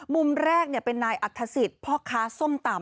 มุมแรกเป็นนายอัฐศิษย์พ่อค้าส้มตำ